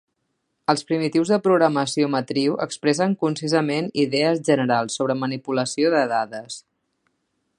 Els primitius de programació matriu expressen concisament idees generals sobre manipulació de dades.